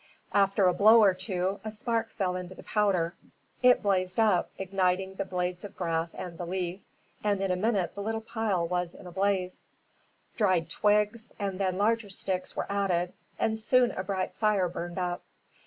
After a blow or two, a spark fell into the powder. It blazed up, igniting the blades of grass and the leaf, and in a minute the little pile was in a blaze. Dried twigs, and then larger sticks were added, and soon a bright fire burned up.